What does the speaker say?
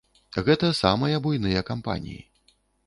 Гэта самыя буйныя кампаніі.